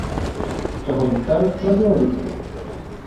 Чаго не скажаш пра беларускіх.